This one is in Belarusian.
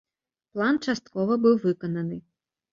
План часткова быў выкананы.